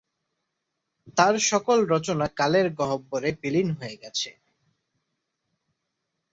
তার সকল রচনা কালের গহ্বরে বিলীন হয়ে গেছে।